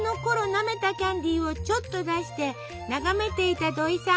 なめたキャンディーをちょっと出して眺めていたどいさん。